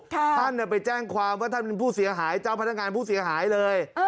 ท่านไปแจ้งความว่าท่านเป็นผู้เสียหายเจ้าพนักงานผู้เสียหายเลย